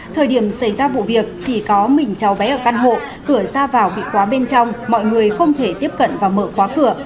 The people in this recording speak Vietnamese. thời điểm xảy ra vụ việc chỉ có mình cháu bé ở căn hộ cửa ra vào bị khóa bên trong mọi người không thể tiếp cận và mở khóa cửa